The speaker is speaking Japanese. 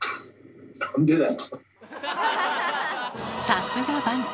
さすが番長！